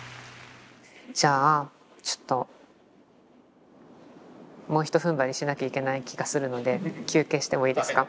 じゃあちょっともうひとふんばりしなきゃいけない気がするので休憩してもいいですか？